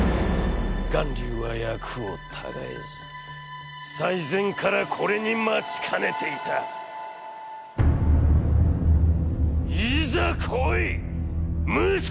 巌流は約を違えず、最前からこれに待ちかねて居た』『』」。「『ーいざ来いっ、武蔵！』」。